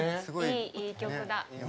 いい曲だ。